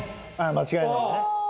間違いないね。